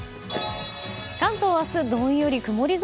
関東明日、どんより曇り空。